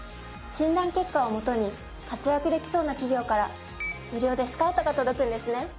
診断結果をもとに活躍できそうな企業から無料でスカウトが届くんですね。